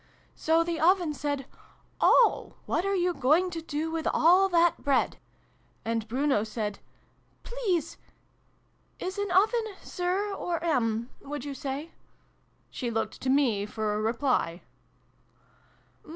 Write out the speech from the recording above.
" So the Oven said ' O ! What are you going to do with all that Bread ?' And Bruno said ' Please Is an Oven ' Sir ' or ' 'm,' would you say ?" She looked to me for a reply.